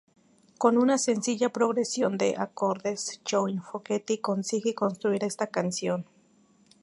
Con una sencilla progresión de acordes, John Fogerty consigue construir esta canción.